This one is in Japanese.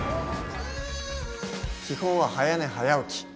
基本は早寝早起き。